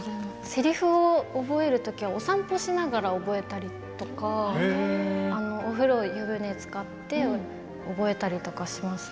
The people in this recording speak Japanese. せりふを覚えるときはお散歩しながら覚えたりとかお風呂、湯船につかって覚えたりとかします。